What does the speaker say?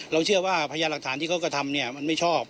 เราเชื่อว่าพญาหลักฐานที่เขากระทำเนี่ยมันไม่ชอบ